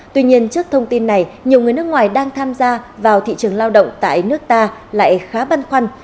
tuy nhiên trước thông tin này nhiều người nước ngoài đang tham gia vào thị trường lao động tại nước ta lại khá băn khoăn